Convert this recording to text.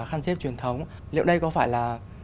khăn xếp truyền thống liệu đây có phải là